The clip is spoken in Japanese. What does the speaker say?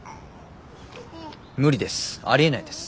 無理ですありえないです。